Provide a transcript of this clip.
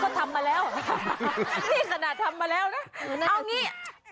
ก็ทำมาแล้วนี่ขนาดทำมาแล้วนะเอางี้